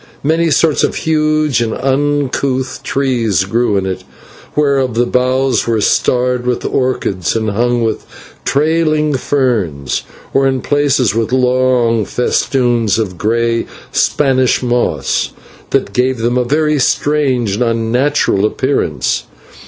Many sorts of huge and uncouth trees grew in it, whereof the boughs were starred with orchids and hung with trailing ferns, or in places with long festoons of grey Spanish moss that gave them a very strange and unnatural appearance.